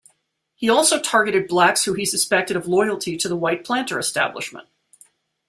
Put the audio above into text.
He also targeted blacks who he suspected of loyalty to the white planter establishment.